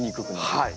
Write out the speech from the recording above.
はい。